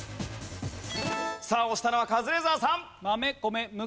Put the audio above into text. さあ押したのはカズレーザーさん。